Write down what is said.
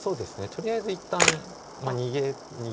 とりあえず一旦逃げ。